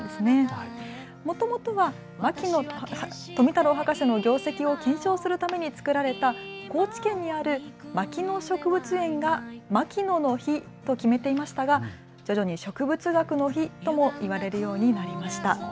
もともとは牧野富太郎博士の業績を顕彰するために作られた高知県にある牧野植物園がマキノの日と決めていましたが徐々に植物学の日とも言われるようになりました。